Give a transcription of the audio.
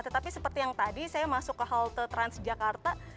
tetapi seperti yang tadi saya masuk ke halte transjakarta